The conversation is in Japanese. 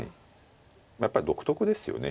やっぱり独特ですよね